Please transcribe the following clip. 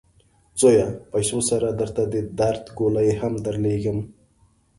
زویه! پیسو سره درته د درد ګولۍ هم درلیږم.